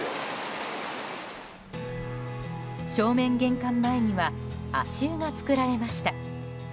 正面玄関前には足湯が作られました。